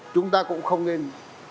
chúng ta cũng không nên